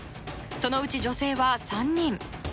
そのうち女性は３人。